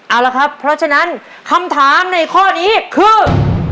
เอาละครับเพราะฉะนั้นคำถามในข้อนี้คือ